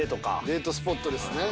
デートスポットですね。